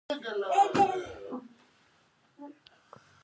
خوړل د دوستي او محبت رمز دی